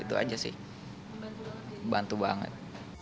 itu aja sih bantu banget